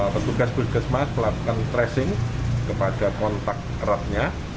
petugas bg smart melakukan tracing kepada kontak eratnya